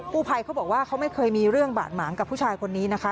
ผู้ภัยเขาบอกว่าเขาไม่เคยมีเรื่องบาดหมางกับผู้ชายคนนี้นะคะ